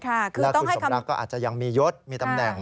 แล้วคุณสมรักก็อาจจะยังมียศมีตำแหน่ง